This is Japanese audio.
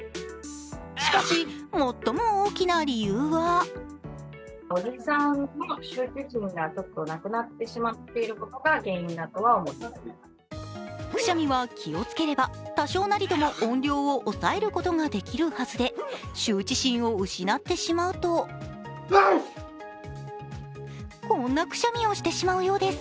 しかし、最も大きな理由はくしゃみは気をつければ、多少なりとも音量を抑えることができるはずで、羞恥心を失ってしまうとこんなくしゃみをしてしまうようです。